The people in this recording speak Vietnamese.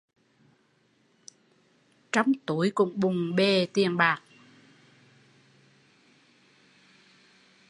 Trong túi cũng bụng bề tiền bạc